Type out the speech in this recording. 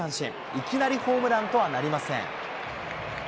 いきなりホームランとはなりません。